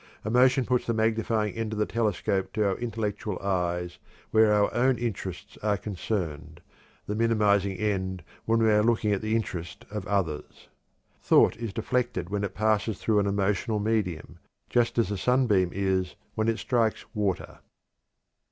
Emotion puts the magnifying end of the telescope to our intellectual eyes where our own interests are concerned, the minimizing end when we are looking at the interest of others. Thought _is deflected when it passes through an emotional medium, just as a sunbeam is when it strikes water.